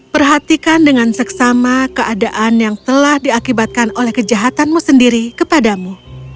perhatikan dengan seksama keadaan yang telah diakibatkan oleh kejahatanmu sendiri kepadamu